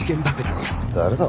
誰だ？